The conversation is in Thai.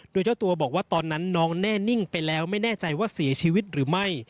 โดยเจ้าตัวบอกว่าตอนนั้นน้องแน่นิ่งไปแล้วไม่แน่ใจว่าเสียชีวิตหรือไม่